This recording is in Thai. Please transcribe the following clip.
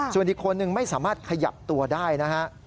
ส่วนอีกคนนึงไม่สามารถขยับตัวได้นะฮะ